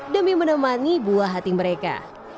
demi menemani buah hati mereka